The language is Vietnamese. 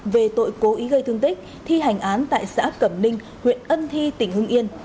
về tội cố ý gây thương tích thi hành án tại xã cẩm ninh huyện ân thi tỉnh hưng yên